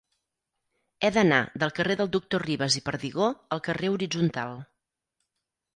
He d'anar del carrer del Doctor Ribas i Perdigó al carrer Horitzontal.